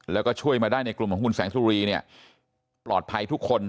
แล้วก็ช่วยมาได้ในกลุ่มของคุณแสงสุรีเนี่ยปลอดภัยทุกคน